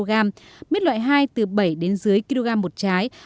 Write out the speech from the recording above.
giá miết tăng nhưng nông dân không có thương lái